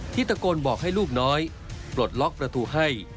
ตะโกนบอกให้ลูกน้อยปลดล็อกประตูให้